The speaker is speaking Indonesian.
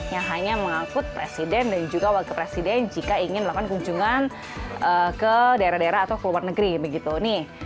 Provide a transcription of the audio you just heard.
yang hanya mengangkut presiden dan juga wakil presiden jika ingin melakukan kunjungan ke daerah daerah atau ke luar negeri begitu nih